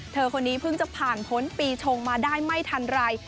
เธอคนนี้เพิ่งจะผ่านพ้นปีชงมาได้ไม่ทันไร